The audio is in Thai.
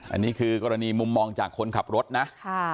อันนี้คือกรณีมุมมองจากคนขับรถนะ